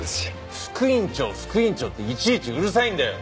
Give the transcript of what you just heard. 副院長副院長っていちいちうるさいんだよ。